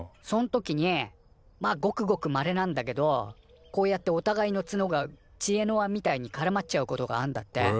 そん時にまあごくごくまれなんだけどこうやっておたがいのツノが知恵の輪みたいにからまっちゃうことがあんだって。